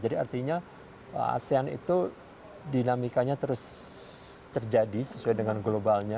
jadi artinya asean itu dinamikanya terus terjadi sesuai dengan globalnya